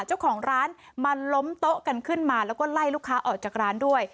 เจ้าของร้านมันล้มโต๊ะกันขึ้นมาแล้วก็ไล่ลูกค้าออกจากร้านด้วย